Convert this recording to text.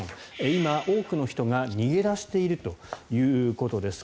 今、多くの人が逃げ出しているということです。